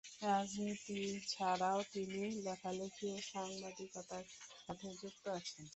রাজনীতি ছাড়াও তিনি লেখালেখি ও সাংবাদিকতার সাথে যুক্ত আছেন।